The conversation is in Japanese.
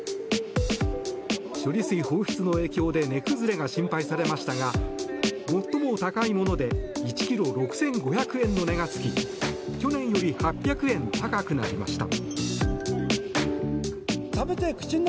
処理水放出の影響で値崩れが心配されましたが最も高いもので１ｋｇ６５００円の値がつき去年より８００円高くなりました。